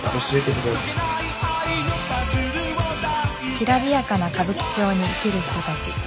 きらびやかな歌舞伎町に生きる人たち。